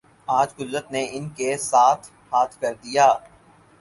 آج قدرت نے ان کے ساتھ ہاتھ کر دیا۔